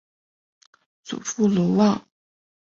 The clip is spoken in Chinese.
祖父娄旺。